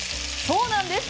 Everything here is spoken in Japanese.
そうなんです。